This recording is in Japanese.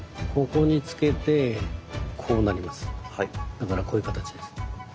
だからこういう形です。